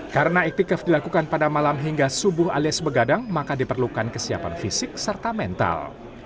karena iktikaf dilakukan pada malam hingga subuh alias begadang maka diperlukan kesiapan fisik serta mental